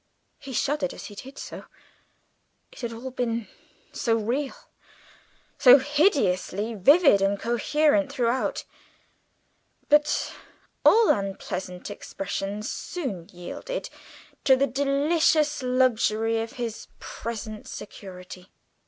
He shuddered as he did so; it had all been so real, so hideously vivid and coherent throughout. But all unpleasant impressions soon yielded to the delicious luxury of his present security.